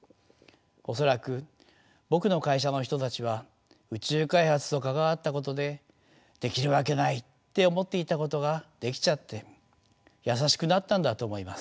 恐らく僕の会社の人たちは宇宙開発と関わったことでできるわけないって思っていたことができちゃって優しくなったんだと思います。